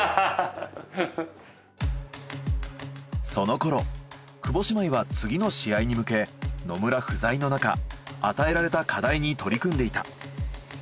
その頃久保姉妹は次の試合に向け野村不在のなか与えられた課題に取り組んでいた。